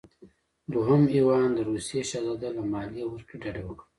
دویم ایوان د روسیې شهزاده له مالیې ورکړې ډډه وکړه.